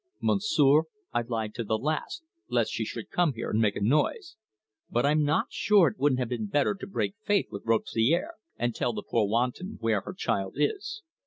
Monsieur, I lied to the last, lest she should come here and make a noise; but I'm not sure it wouldn't have been better to break faith with Robespierre, and tell the poor wanton where her child is.